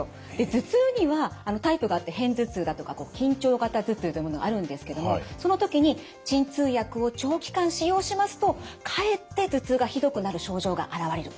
頭痛にはタイプがあって片頭痛だとか緊張型頭痛というものがあるんですけどもその時に鎮痛薬を長期間使用しますとかえって頭痛がひどくなる症状が現れる。